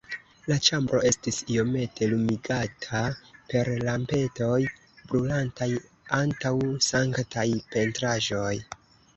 La ĉambro estis iomete lumigata per lampetoj, brulantaj antaŭ sanktaj pentraĵoj.